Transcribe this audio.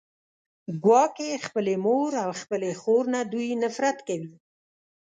ګواکې خپلې مور او خپلې خور نه دوی نفرت کوي